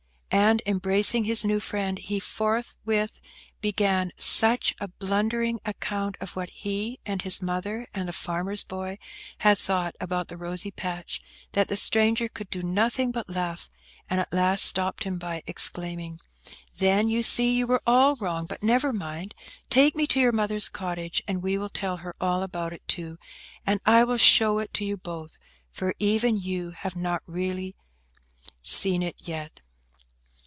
And, embracing his new friend, he forthwith began such a blundering account of what he, and his mother, and the farmer's boy, had thought about the rosy patch, that the stranger could do nothing but laugh, and at last stopped him by exclaiming, "Then you see you were all wrong; but never mind. Take me to your mother's cottage, and we will tell her all about it, too, and I will show it to you both, for even you have not really seen it yet."